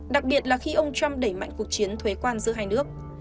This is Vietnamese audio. đặc biệt là khi ông trump đẩy mạnh cuộc chiến thuế quan giữa hai nước